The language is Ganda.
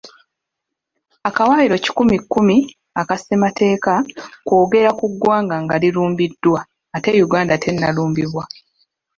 Akawaayiro kikumi kkumi, aka ssemateeka kwogera ku ggwanga nga lirumbiddwa ate Uganda tennalumbibwa.